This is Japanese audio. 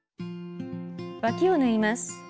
わきを縫います。